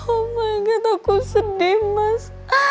oh my god aku sedih mas